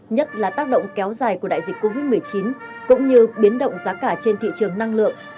nhất là tác động kéo dài của đại dịch covid một mươi chín cũng như biến động giá cả trên thị trường năng lượng